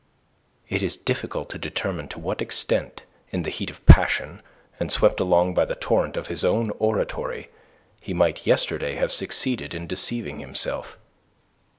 It is difficult to determine to what extent, in the heat of passion and swept along by the torrent of his own oratory, he might yesterday have succeeded in deceiving himself.